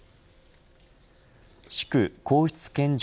祝・皇室献上